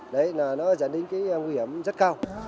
đấy là nó dẫn đến cái nguy hiểm rất cao